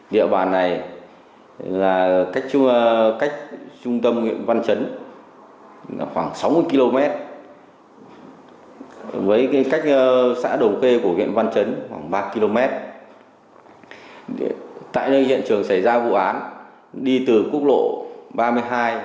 địa bàn này cách trung tâm huyện văn chấn khoảng sáu mươi km với cách xã đồng khê của huyện văn chấn khoảng ba km